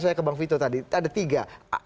saya ke bang vito tadi ada tiga